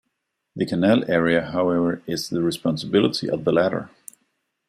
The Canal area, however, is the responsibility of the latter.